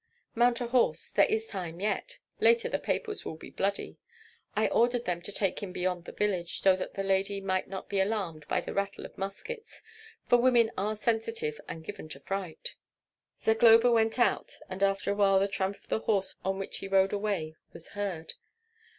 "Mount a horse. There is time yet; later the papers will be bloody. I ordered them to take him beyond the village, so that the lady might not be alarmed at the rattle of muskets, for women are sensitive and given to fright." Zagloba went out, and after a while the tramp of the horse on which he rode away was heard.